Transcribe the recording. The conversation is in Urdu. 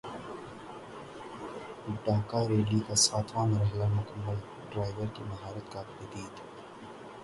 ڈاکارریلی کا ساتواں مرحلہ مکمل ڈرائیورز کی مہارت قابل دید